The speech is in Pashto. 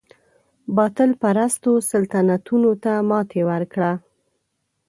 باطل پرستو سلطنتونو ته ماتې ورکړه.